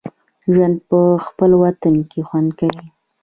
ژوند په خپل وطن کې خوند کوي